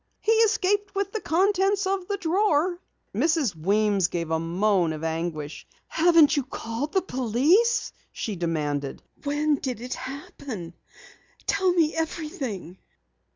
"He escaped with the contents of the drawer." Mrs. Weems gave a moan of anguish. "Haven't you called the police?" she demanded. "When did it happen? Tell me everything!"